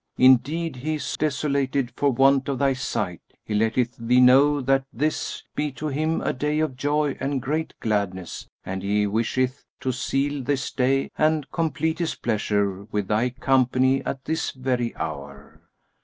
Indeed he is desolated for want of thy sight; he letteth thee know that this be to him a day of joy and great gladness and he wisheth to seal his day and complete his pleasure with thy company at this very hour.